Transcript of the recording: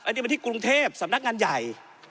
อันนี้ถึงกรุงเทพสำนักงานใหญ่